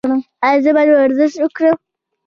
ایا زه باید ورزش وکړم؟